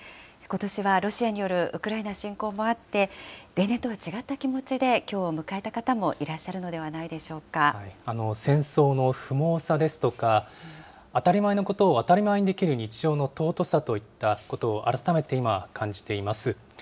ことしはロシアによるウクライナ侵攻もあって、例年とは違った気持ちで、きょうを迎えた方もいらっしゃるのでは戦争の不毛さですとか、当たり前のことを当たり前にできる日常の尊さといったことを、改めて今、感じています。